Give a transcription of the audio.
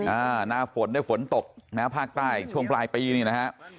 หน้าฝนได้ฝนตกนะฮะภาคใต้ช่วงปลายปีนี่นะฮะ